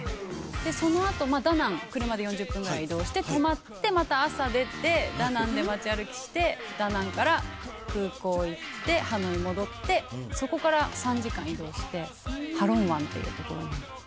その後ダナン車で４０分ぐらい移動して泊まってまた朝出てダナンで町歩きしてダナンから空港行ってハノイ戻ってそこから３時間移動してハロン湾っていう所に行って。